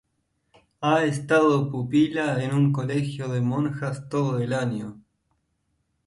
Ha estado pupila en un colegio de monjas todo el año.